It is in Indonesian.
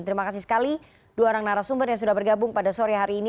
terima kasih sekali dua orang narasumber yang sudah bergabung pada sore hari ini